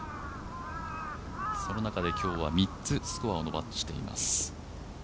その中で今日は３つスコアを伸ばしています。